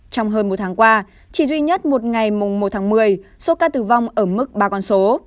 trong hơn một tháng qua chỉ duy nhất một ngày mùng một tháng một mươi số ca tử vong ở mức ba con số